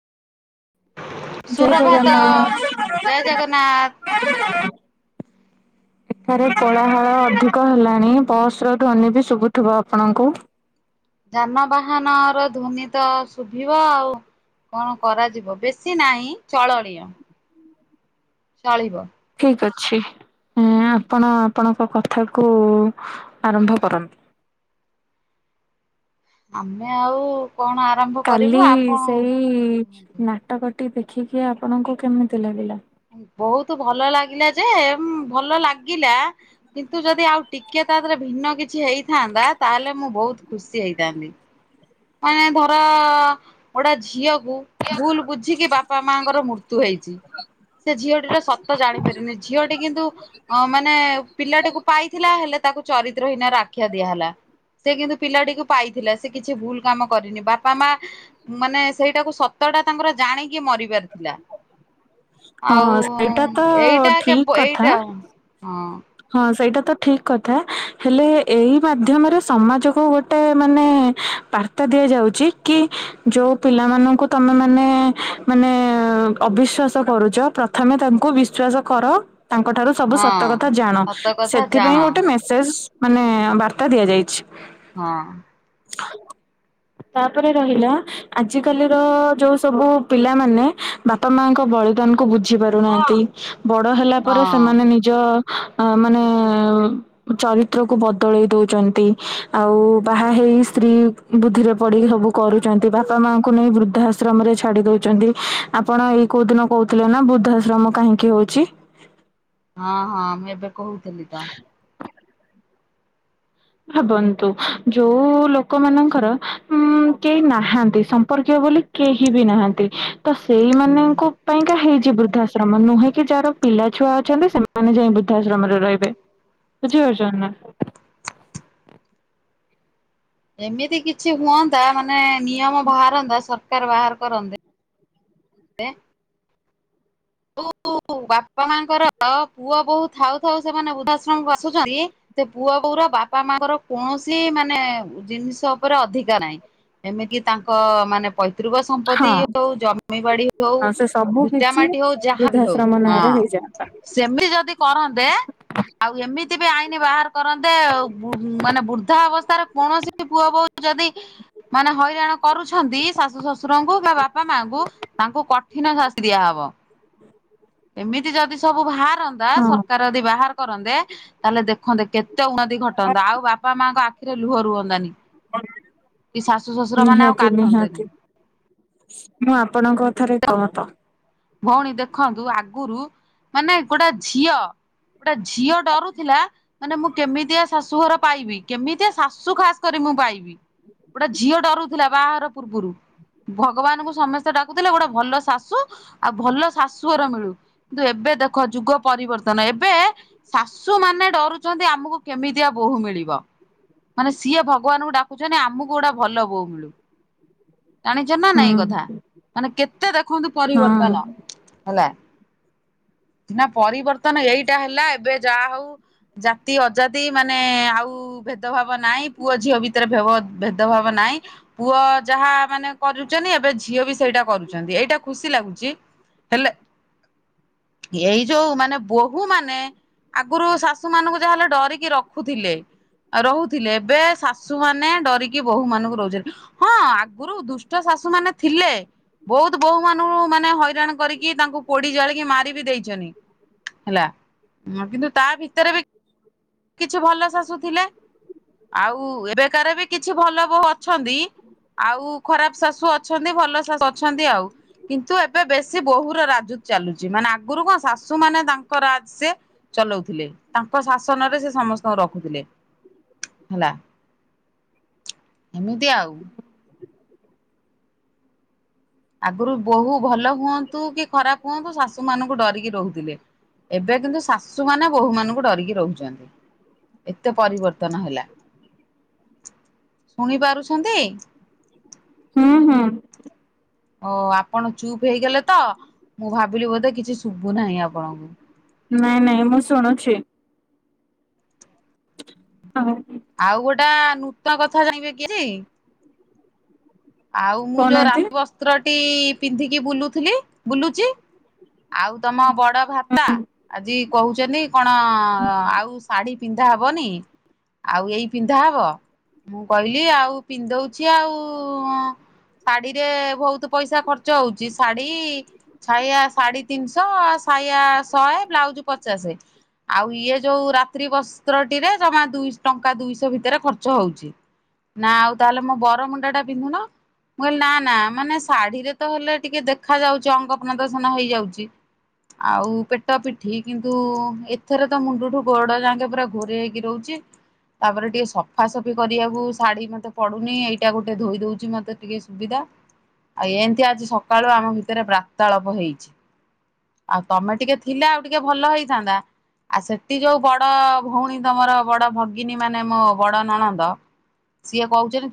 ଜୟ ସୁପ୍ରଭାତ ଜୟ ଜଗନ୍ନାଥ। ଜଗନ୍ନାଥ। ଏଠାରେ କୋଳାହଳ ଅଧିକ ହେଲାଣି ବସ ର ଧ୍ୱନି ବି ଶୁଭୁଥିବ ଆପଣଙ୍କୁ। ଯାନବାହାନ ର ଧ୍ୱନି ତ ଶୁଭିବ ଆଉ। କଣ କରାଯିବ ବେଶୀ ନାହିଁ ଚଳଣୀୟ। ଚଲିବ। ଠିକ ଅଛି ଆପଣ ଆପଣଙ୍କ କଥାକୁ ଆରମ୍ଭ କରନ୍ତୁ। ଆମେ ଆଉ କଣ ଆରମ୍ଭ କରିବୁ କାଲି ଆପଣ ସେଇ ନାଟକଟି ଦେଖିକି ଆପଣଙ୍କୁ କେମିତି ଲାଗିଲା? ବହୁତ ଭଲ ଲାଗିଲା ଯେ ଭଲ ଲାଗିଲା କିନ୍ତୁ ଯଦି ଆଉ ଟିକେ ତା ଦେହରେ ଭିନ୍ନ କିଛି ହେଇଥାନ୍ତା ତାହେଲେ ମୁଁ ବହୁତ ଖୁସି ହେଇଥାନ୍ତି। ମାନେ ଧର ଗୋଟେ ଝିଅ ଭୁଲ ବୁଝିକି ବାପା ମାଙ୍କର ମୃତ୍ୟୁ ହେଇଛି ସେ ଝିଅଟିର ସତ ଜାଣିପାରିନି ଝିଅଟି କିନ୍ତୁ ଅ ମାନେ ପିଲାଟିକୁ ପାଇଥିଲା ହେଲେ ତାକୁ ଚରିତ୍ର ହୀନର ଆଖ୍ୟା ଦିଆହେଲା। ସେ କିନ୍ତୁ ପିଲାଟିକୁ ପାଇଥିଲା ସେ କିଛି ଭୁଲ କାମ କରିନି ବାପା ମା ମାନେ ସେଇଟାକୁ ସତଟା ତାଙ୍କର ଜାଣିକି ମରିିବାର ଥିଲା। ଆଉ ହଁ ସେଇଟା ତ ଏଇଟା ଠିକ କେବ କଥା ଏଇଟା ହଁ। ହଁ ସେଇଟା ତ ଠିକ କଥା ହେଲେ ଏଇ ମାଧ୍ୟମରେ ସମାଜକୁ ଗୋଟେ ମାନେ ବା ବାର୍ତ୍ତା ଦିଆଯାଉଛି କି ଯୋଉ ପିଲାମାନଙ୍କୁ ତମେ ମାନେ ମାନେ ଅବିଶ୍ଵାସ କରୁଛ ପ୍ରଥମେ ତାଙ୍କୁ ବିଶ୍ୱାସ କର ତାଙ୍କଠାରୁ ସବୁ ହଁ ସତ କ ତା ଜାଣ ସତ କଥା ଜାଣ ସେଥିପାଇଁ ଗୋଟେ ମେସେଜ ମାନେ ବାର୍ତ୍ତା ଦିଆଯାଇଛି। ହଁ। ତାପରେ ରହିଲା ଆଜିକାଲି ର ଯୋଉ ସବୁ ପିଲାମାନେ ବାପା ମାଙ୍କ ବଳିଦାନ କୁ ବୁଝି ପାରୁନାହାନ୍ତି ବଡ ହେଲା ପରେ ହଁ। ସେମାନେ ନିଜ ମାନେ ଚରିତ୍ରକୁୁ ବଦଳେଇ ଦଉଛନ୍ତି ଆଉ ବାହା ହେଇ ସ୍ତ୍ରୀ ବୁଦ୍ଧିରେ ପଢିକି ସବୁ କରୁଛନ୍ତି ବାପା ମାଙ୍କୁ ନେଇ ବୃଦ୍ଧା ଆଶ୍ରମ ରେ ଛାଡି ଦଉଛନ୍ତି ଆପ୍ ଆପଣ ଏଇ କୋଉ ଦିନ କହୁଥିଲେ ନା ବୃଦ୍ଧାଶ୍ରମ କାହିଁକି ହଉଛି? ହଁ ହଁ ମୁଁ ଏବେ କହୁଥିଲି ତ। ଭାବନ୍ତୁ ଯୋଉ ଲୋକମାନାନଙ୍କର ଉଁ କେହି ନାହାନ୍ତି ସ ସମ୍ପର୍କୀୟ ବୋଲି କେହି ବି ନାହାନ୍ତି ତ ହୁଁ। ସେଇମାନାନଙ୍କ ପାଇଁକା ହେଇଛି ବୃଦ୍ଧା ଆ ଶ୍ରମ ନୁହେଁ କି ଯାହାର ପିଲା ଛୁଆ ଅଛନ୍ତି ସେମାନେ ଯାଇ ବୃଦ୍ଧାଶ୍ରମରେ ରହିବେ। ବୁଝିପାରୁଛନ୍ତି ନା? ଏମିତି କିଛି ହୁଅନ୍ତା ମାନେ ନିୟମ ବାହାରନ୍ତା ସରକାର ବାହାର କରନ୍ତେ ଉ ଉ ବାପା ମାଙ୍କର ପୁଅ ବୋହୁ ଥାଉ ଥାଉ ସେମାନେ ବୃଦ୍ଧାଆଶ୍ରମକୁ ଆସୁଛନ୍ତି ସେ ପୁଅ ବୋହୁର ବାପା ମାଙ୍କର କୌଣସି ମାନେ ଜିନିଷ ଉପରେ ଅଧିକା ନାହିଁ। ଏମିତି ତାଙ୍କ ମାନେ ପୈତୃକ ସମ୍ପତ୍ତି ହଁ। ହଉ ଜମିବାଡି ହଉ ହଁ ସେ ସବୁ କିଛି ଭିଟାମା ଟି ହଉ ଯାହା ବି ହଉ ବୃଦ୍ଧାଶ୍ରମ ନାଁରେ ହେଇଯାଆନ୍ତା। ହଁ ସେମି ଯଦି କରନ୍ତେ ଆଉ ଏମିତି ବି ଆଇନ ବାହାର କରନ୍ତେ ବୁ ମାନେ ବୃଦ୍ଧା ଅବସ୍ଥାରେ କୌଣସି ସେ ପୁଅ ବୋହୁ ଯଦି ମାନେ ହଇରାଣ କରୁଛନ୍ତି ଶାଶୁ ଶଶୁରଙ୍କୁ ବା ବାପା ମାଙ୍କୁ ତାଙ୍କୁ କଠିନ ଶାସ୍ତି ଦିଆହବ। ଏମିତି ଯଦି ସବୁ ବାହାରନ୍ତା ହଁ ସରକାର ଯଦି ବାହାର କରନ୍ତେ ତାହେଲେ ଦେଖନ୍ତେ କେ କେତେ ଉନ୍ନତି ଘଟନ୍ତା ଆଉ ବାପା ମାଆଙ୍କ ଆଖିରେ ଲୁହ ରୁହନ୍ତାନି। କି ଶାଶୁ ଶ୍ୱଶୁର ମାନେ ଆଉ ନିହାତି ନିହାତି କାଦନ୍ତେନି। ମୁଁ ଆପଣଙ୍କ କଥାରେ ଏକ ମତ। ଭଉଣୀ ଦେଖନ୍ତୁ ଆଗରୁ ମାନେ ଗୋଟେ ଝିଅ ଗୋଟେ ଝିଅ ଡରୁଥିଲା ମାନେ ମୁଁ କେମିତିଆ ଶାଶୁଘର ପାଇବି କେମିତିଆ ଶାଶୁ ଖାସ କରି ମୁଁ ପାଇବି ଗୋଟେ ଝିଅ ଡରୁଥିଲା ବାହାଘର ପୂର୍ବରୁ ଭଗବାନଙ୍କୁ ସମସ୍ତେ ଡାକୁଥିଲେ ଗୋଟେ ଭଲ ଶାଶୁ ଆଉ ଭଲ ଶାଶୁହର ମିଳୁ। କିନ୍ତୁ ଏବେ ଦେଖ ଯୁଗ ପରିବର୍ତ୍ତନ ଏବେ ଶାଶୁ ମାନେ ଡରୁଛନ୍ତି ଆମକୁ କେମିତିଆ ବୋହୂ ମିଳିବ। ମାନେ ସିଏ ଭଗବାନଙ୍କୁ ଡାକୁଚଛନ୍ତି ଆମକୁ ଗୋଟା ଭଲ ବୋଉ ମିଳୁ। ଜାଣିଛ ନା ହୁଁ ନାଇଁ ଏ କଥା ମାନେ କେତେ ଦେଖନ୍ତୁ ହଁ ପରିବର୍ତ୍ତନ ହେଲା। ନା ପରିବର୍ତ୍ତନ ଏଇଟା ହେଲା ଏବେ ଯାହା ହଉ ଜାତି ଅଜାତି ମାନେ ଆଉ କୁ ଭେଦଭାବ ନାହିଁ ପୁଅ ଝିଅ ଭିତରେ ଭେବ ଭେଦଭାବ ନାହିଁ ପୁଅ ଯାହା ମାନେ କରୁଛନ୍ତି ଏବେ ଝିଅ ବି ସେଇଟା କରୁଛନ୍ତି ଏଇଟା ଖୁସି ଲାଗୁଛି। ହେଲେ ଏଇ ଯୋଉ ମାନେ ବୋହୂ ମାନେ ଆଗରୁ ଶାଶୁ ମାନଙ୍କୁ ଯାହାହେଲେ ଡରିକି ରଖୁଥିଲେ। ରହୁଥିଲେ ଏବେ ଶାଶୁ ମାନେ ଡରିକି ବୋହୂ ମାନଙ୍କୁ ରହୁଛନ୍ତି। ହଁ ଆଗରୁ ଦୁଷ୍ଟ ଶାଶୁ ମାନେ ଥିଲେ ବହୁତ ବୋହୁୂ ମାନଙ୍କୁ ମାନେ ହଇ ରାଣ କରିକି ତାଙ୍କୁ ପୋଡି ଜାଳିକି ମାରି ଦେଇଛନ୍ତି। ହେଲା କିନ୍ତୁ ତା ଭିତରେ ବି କିଛି ଭଲ ଶାଶୁ ଥିଲେ ଆଉ ଏବେକାର ବି କିଛି ଭଲ ବୋହୁ ଅଛନ୍ତି। ଆଉ ଖରାପ ଶାଶୁ ଅଛନ୍ତି ଭଲ ଶାଶୁ ଅଛନ୍ତି ଆଉ। କିନ୍ତୁ ଏବେ ବେଶୀ ବୋହୂ ର ରାଜୁତ ଚାଲୁଛି ମାନେ ଆଗରୁ କଣ ଶାଶୁ ମାନେ ତାଙ୍କ ରାଜ ସେ ଚଲାଉଥିଲେ ତାଙ୍କ ଶାଶୁ ଶାଶନରେ ସେ ସମସ୍ତଙ୍କୁ ରଖୁଥିଲେ ହେଲା। ଏମିତି ଆଉ। ଆଗରୁ ବୋହୁ ଭଲ ହୁଅନ୍ତୁ କି ଖରାପ ହୁଅନ୍ତୁ ଶାଶୁ ମାନଙ୍କୁ ଡରିକି ରହୁଥିଲେ। ଏବେ କିନ୍ତୁ ଶାଶୁମାନେ ବୋହୁ ମାନଙ୍କୁ ଡରିକି ରହୁଛନ୍ତି। ଏତେ ପରିବର୍ତ୍ତନ ହେଲା। ଶୁଣି ପାରୁଛନ୍ତି? ହୁଁ ହୁଁ। ଓ ଆପଣ ଚୁପ୍ ହେଇଗଲେ ତ ମୁଁ ଭାବିଲି ବୋଧେ କିଛି ଶୁଭୁ ନାହିଁ ଆପଣଙ୍କୁ। ନାଇଁ ନାଇଁ ମୁଁ ଶୁଣୁଛି। ହଁ ଆଉ ଗୋଟା ନୂତନ କଥା ଜାଣଁବେ କି ଆଉ ମୁଁ ଯୋଉ କହୁନାହାନ୍ତି। ରାତି ବ ପତ୍ରଟି ପିନ୍ଧିକି ବୁଲଥିଲି ବୁ ଆଉ ତମ ବଡ ଭାତା ଆଜି କହୁଛନ୍ତି କଣ ଆଉ ଶାଢୀ ପିନ୍ଧା ହବନି ଆଉ ଏଇ ପିନ୍ଧା ହବ ମୁଁ କହିଲି ଆଉ ପିନ୍ଧଉଛି ଆଉ ଶାଢୀ ରେ ବହୁତ ପଇସା ଖର୍ଚ୍ଚ ହଉଛି ଶାଢୀ ଶାଇଆ ସାଢେ ତିନିଶହ ଶାଇଆ ଶହେ ବ୍ଲାଉଜ ପଚାଶ ଆଉ ଇଏ ଯୋଉ ରାତ୍ରି ବସ୍ତ୍ରଟିରେ ଜମା ଦୁଇ ଟଙ୍କା ଦୁଇଶହ ଭିତରେ ଖର୍ଚ୍ଚ ହଉଛି ନା ଆଉ ତାହେଲେ ମୋ ବରମୁଣ୍ଡା ଟା ପିନ୍ଧୁନ ମୁ କହିଲେ ନା ନା ମାନେ ଶାଢୀରେ ତ ହେଲେ ଟିକେ ଦେଖା ଯାଉଛି ଅଙ୍ଗ ପ୍ରଦର୍ଶନ ହେଇଯାଉଛି ଆଉ ପେଟ ପିଠି କିନ୍ତୁ ଏଥରେ ତ ମୁଣ୍ଡଠୁ ବଡ଼ ଯାକେ ପୁରା ଘୋରେ ହେଇକି ରହୁଛି ତାପରେ ଟିକେ ସଫାସଫି କରିବାକୁ ଶାଢୀ ମତେ ପଡୁନି ଏଇଟା ଗୋଟେ ଧୋଇ ଦଉଛି ମତେ ଟିକେ ସୁବିଧା ଆଉ ଏମିତି ଆଜି ସକାଳୁ ଆମ ଭିତରେ ବାର୍ତ୍ତାଳାପ ହେଇଛି ଆଉ ତମେ ଟିକେ ଥିଲା ଆଉ ଟିକେ ଭଲ ହେଇଥାନ୍ତା ଆଉ ସେଠି ଯୋଉ ବଡ ଭଉଣୀ ତମର ବଡ ଭଗ ମାନେ ମୋ ବଡ ନଣନ୍ଦ ସିଏ କହୁଛନ୍ତି